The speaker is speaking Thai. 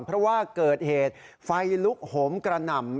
เพราะว่าเกิดเหตุไฟลุกโหมกระหน่ำ